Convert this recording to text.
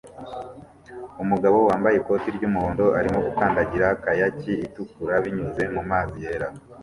Umugabo wambaye ikoti ry'umuhondo arimo gukandagira kayaki itukura binyuze mumazi yera